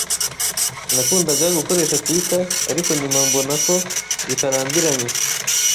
Nakundaga gukoresha Twitter, ariko nyuma mbona ko bitarambiranye,